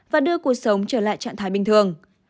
và đưa cuộc sống trở lại trạng thái bình thường